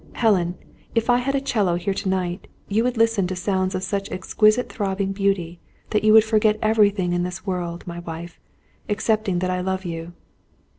Helen if I had a 'cello here to night, you would listen to sounds of such exquisite throbbing beauty, that you would forget everything in this world, my wife, excepting that I love you."